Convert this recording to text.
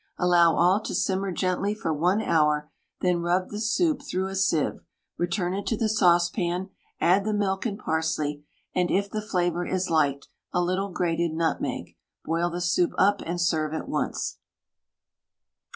Allow all to simmer gently for 1 hour, then rub the soup through a sieve, return it to the saucepan, add the milk and parsley, and, if the flavour is liked, a little grated nutmeg; boil the soup up and serve at once.